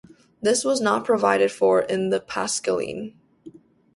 This was not provided for in the Pascaline.